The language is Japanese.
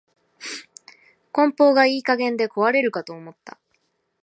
梱包がいい加減で壊れるかと思った